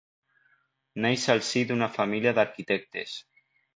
Naix al si d'una família d'arquitectes.